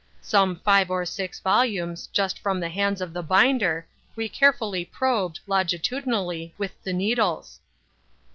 Some five or six volumes, just from the hands of the binder, we carefully probed, longitudinally, with the needles."